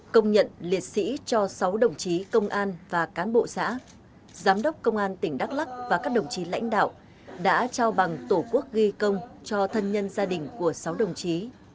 công nhận liệt sĩ cho sáu đồng chí công an và cán bộ xã giám đốc công an tỉnh đắk lắc và các đồng chí lãnh đạo đã trao bằng tổ quốc ghi công cho thân nhân gia đình của sáu đồng chí